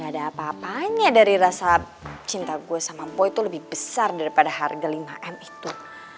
ada apa apanya dari rasa cinta gue sama mpo itu lebih besar daripada harga lima m itu